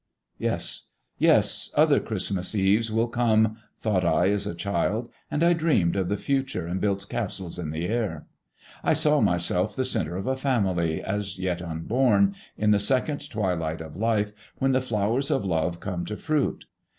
"Yes, yes; other Christmas Eves will come," thought I, as a child; and I dreamed of the future and built castles in the air. I saw myself the centre of a family, as yet unborn, in the second twilight of life when the flowers of love come to fruit.